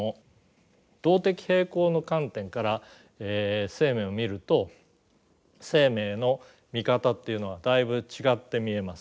動的平衡の観点から生命を見ると生命の見方っていうのはだいぶ違って見えます。